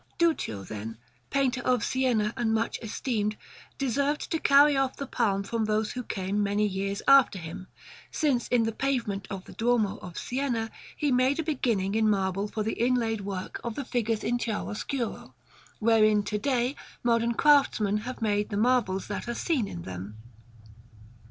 Duccio, then, painter of Siena and much esteemed, deserved to carry off the palm from those who came many years after him, since in the pavement of the Duomo of Siena he made a beginning in marble for the inlaid work of the figures in chiaroscuro, wherein to day modern craftsmen have made the marvels that are seen in them.